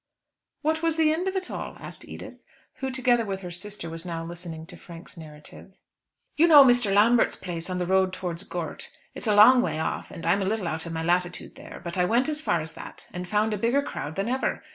"What was the end of it all?" asked Edith, who together with her sister was now listening to Frank's narrative. "You know Mr. Lambert's place on the road towards Gort. It's a long way off, and I'm a little out of my latitude there. But I went as far as that, and found a bigger crowd than ever.